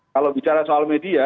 kalau bicara soal media